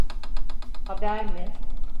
Haber mi?